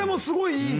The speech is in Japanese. いい！